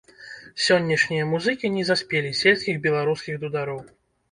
Сённяшнія музыкі не заспелі сельскіх беларускіх дудароў.